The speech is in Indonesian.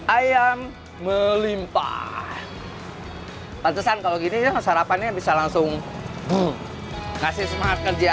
ayam melimpah pantesan kalau gini sarapan yang bisa langsung buh kasih semangat kerja